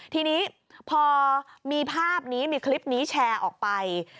ทีนี้พอมีภาพนี้มีคลิปนี้แชร์ออกไป